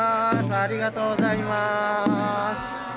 ありがとうございます。